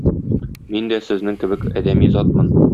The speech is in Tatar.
Мин дә сезнең кебек адәми затмын.